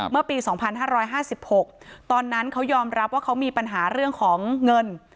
เมื่อปี๒๕๕๖ตอนนั้นเขายอมรับว่าเขามีปัญหาเรื่องของเงิน